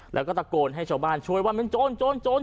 แล้วก็ตะโกนให้ชาวบ้านช่วยว่ามันโจรโจร